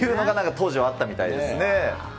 当時はあったみたいですね。